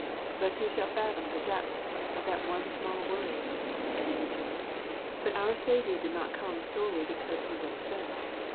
But who shall fathom the depths of that one small word ? But our Saviour did not come solely because He was sent.